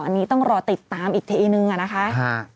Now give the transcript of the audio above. อันนี้ต้องรอติดตามอีกให้ดูนึงนะคะ